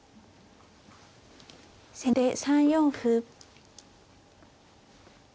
先手３四歩。